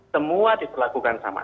semua diberlakukan sama